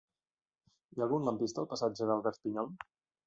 Hi ha algun lampista al passatge d'Albert Pinyol?